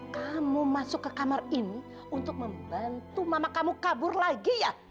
kamu masuk ke kamar ini untuk membantu mama kamu kabur lagi ya